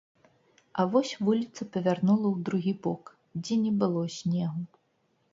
А вось вуліца павярнула ў другі бок, дзе не было снегу.